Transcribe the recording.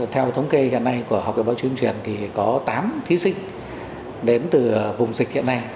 theo thống kê hiện nay của học viện báo chí truyền thì có tám thí sinh đến từ vùng dịch hiện nay